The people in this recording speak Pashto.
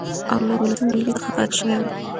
او له دولسم ټولګي څخه فارغ شوی و،